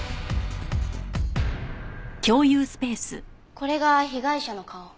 これが被害者の顔。